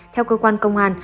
theo cơ quan công an